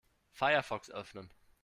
Firefox öffnen.